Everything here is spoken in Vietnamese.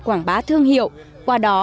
quảng bá thương hiệu qua đó